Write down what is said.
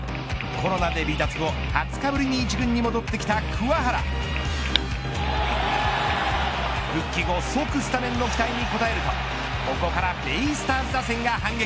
コロナで離脱後ｍ２０日ぶりに１軍に戻ってきた桑原復帰後即スタメンの期待にこたえるとここからベイスターズ打線が反撃。